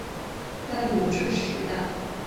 在明治时代免于拆除。